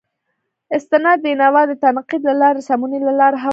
استناد بینوا د تنقید له لارې سمونې ته لار هواره کړه.